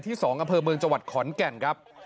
ที่๒อำเภอเมืองจขอนแก่นครับ